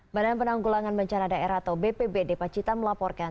badan penanggulangan bencana daerah atau bpbd pacitan melaporkan